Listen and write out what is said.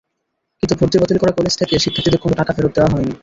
কিন্তু ভর্তি বাতিল করা কলেজ থেকে শিক্ষার্থীদের কোনো টাকা ফেরত দেওয়া হয়নি।